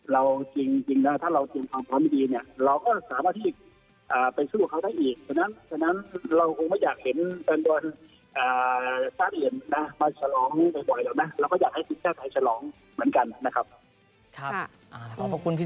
เราจริงแล้วถ้าเราเจ็บความพร้อมดีนี่